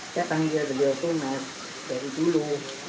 saya panggil beliau tuh mas dari dulu